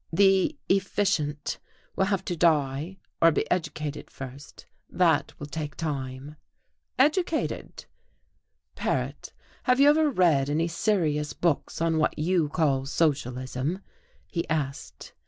"The 'efficient' will have to die or be educated first. That will take time." "Educated!" "Paret, have you ever read any serious books on what you call socialism?" he asked.